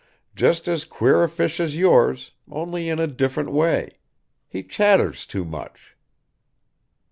"Just as queer a fish as yours, only in a different way. He chatters too much."